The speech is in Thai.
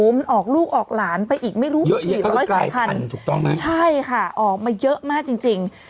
มันออกลูกออกหลานไปอีกไม่รู้กี่หลายพันธุ์ใช่ค่ะออกมาเยอะมากจริง